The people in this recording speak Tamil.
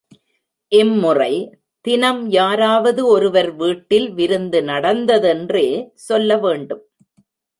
இம்முறை தினம் யாராவது ஒருவர் வீட்டில் விருந்து நடந்ததென்றே சொல்ல வேண்டும்.